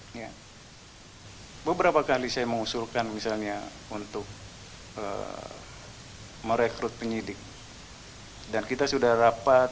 ini beberapa kali saya mengusulkan misalnya untuk merekrut penyidik dan kita sudah rapat